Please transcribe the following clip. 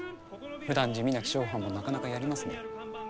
ふだん地味な気象班もなかなかやりますね。